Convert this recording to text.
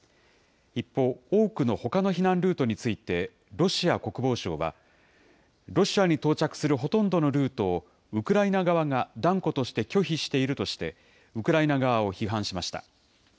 一方、多くのほかの避難ルートについて、ロシア国防省は、ロシアに到着するほとんどのルートをウクライナ側が断固として拒否しているとして、ウクライナ側を批判しました。